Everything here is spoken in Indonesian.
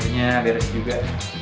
akhirnya beres juga